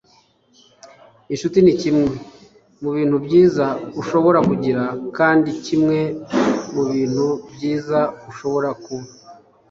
inshuti nikimwe mubintu byiza ushobora kugira kandi kimwe mubintu byiza ushobora kuba